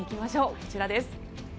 こちらです。